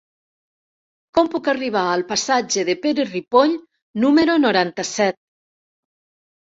Com puc arribar al passatge de Pere Ripoll número noranta-set?